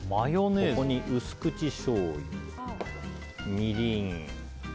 ここに薄口しょうゆ、みりん